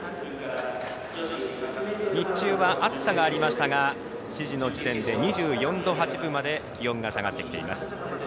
日中は暑さがありましたが７時の時点で２４度８分まで気温が下がってきています。